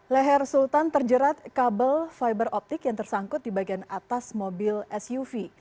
leher sultan terjerat kabel fiber optik yang tersangkut di bagian atas mobil suv